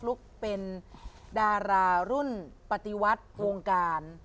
ลุกเป็นดารารุ่นปฏิวัติวงการ